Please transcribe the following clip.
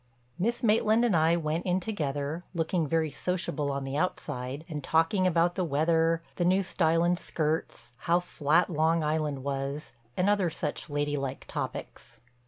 Miss Maitland and I went in together, looking very sociable on the outside, and talking about the weather, the new style in skirts, how flat Long Island was, and other such ladylike topics.